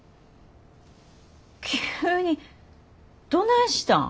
急にどないしたん？